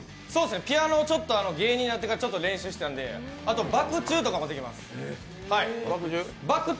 ピアノを芸人になってからちょっと練習したんであとバク宙とかもできます。